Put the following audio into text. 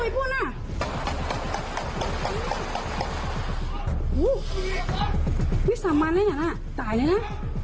พี่สามบ้านแล้วนะตายแล้วนะ